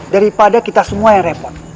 daripada kita semua yang repot